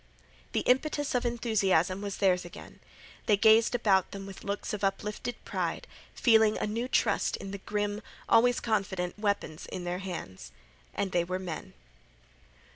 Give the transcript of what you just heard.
The impetus of enthusiasm was theirs again. They gazed about them with looks of uplifted pride, feeling new trust in the grim, always confident weapons in their hands. And they were men.